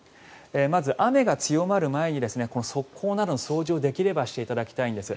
まず、雨が強まる前に側溝などの掃除をできればしていただきたいんです。